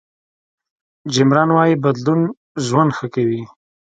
جیم ران وایي بدلون ژوند ښه کوي.